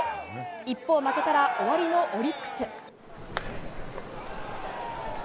一方、負けたら終わりのオリックス。